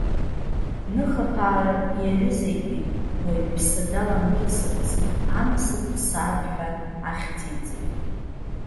Ныхаԥаарак иаҩызаитәит, уаҩԥсы даламкьысырц, анасыԥ-ԥсаатә ҳәа ахьӡиҵеит.